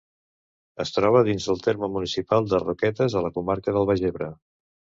Es troba dins del terme municipal de Roquetes, a la comarca del Baix Ebre.